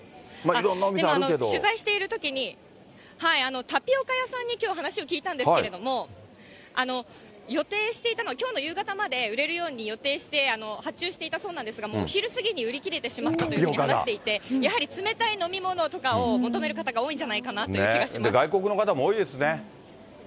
取材しているときに、タピオカ屋さんにきょう、話を聞いたんですけれども、予定していたのは、きょうの夕方まで売れるように予定して、発注していたそうなんですが、昼過ぎにはもう売り切れてしまったと話していて、やはり冷たい飲み物とかを求める方が多いんじゃないかなという気外国の方も多いですね。